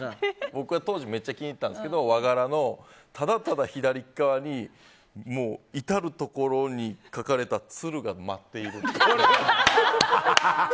僕が当時めっちゃ気に入ってたんですけど和柄のただただ左側に至るところに描かれた鶴が舞っている。